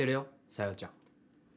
小夜ちゃん